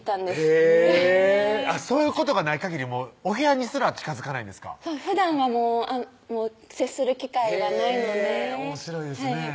へぇそういうことがないかぎりお部屋にすら近づかないんですかふだんは接する機会がないのでおもしろいですねぇ